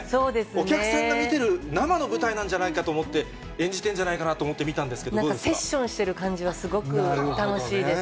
お客さんが見てる生の舞台なんじゃないかと思って、演じてるんじゃないかなと思って見たんでなんかセッションしてる感じはすごく楽しいです。